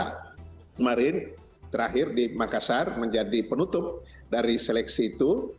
kemarin terakhir di makassar menjadi penutup dari seleksi itu